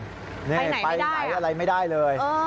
ไปไหนไม่ได้ไปไหนอะไรไม่ได้เลย